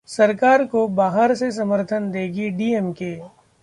सरकार को बाहर से समर्थन देगी डीएमके